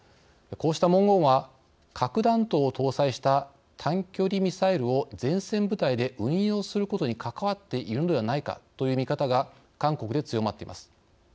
こうした文言は核弾頭を搭載した短距離ミサイルを前線部隊で運用することに関わっているのではないかという見方が韓国で強まっています。